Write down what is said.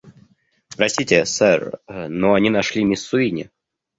Простите, сэр, но они нашли мисс Суини.